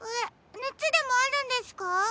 ねつでもあるんですか？